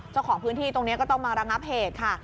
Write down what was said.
เจ้าของพื้นที่ตรงนี้ก็ต้องมาระงับเหตุค่ะ